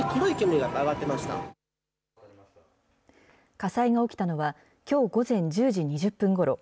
火災が起きたのは、きょう午前１０時２０分ごろ。